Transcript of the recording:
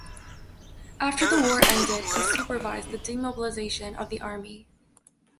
After the war ended, he supervised the demobilization of the Army.